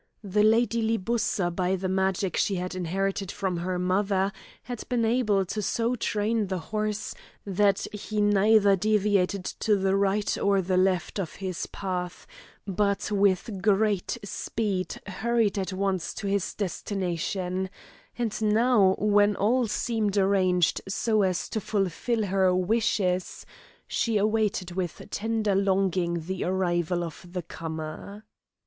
The Lady Libussa by the magic she had inherited from her mother, had been able so to train the horse that he neither deviated to the right or the left of his path, but with great speed hurried at once to his destination, and now when all seemed arranged so as to fulfil her wishes, she awaited with tender longing the arrival of the comer.